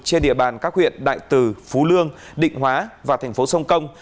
trên địa bàn các huyện đại từ phú lương định hóa và thành phố sông công